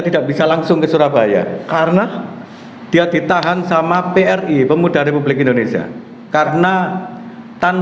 tidak bisa langsung ke surabaya karena dia ditahan sama pri pemuda republik indonesia karena tanpa